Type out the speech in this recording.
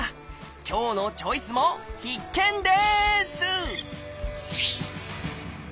今日の「チョイス」も必見です！